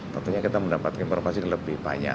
tentunya kita mendapatkan informasi lebih banyak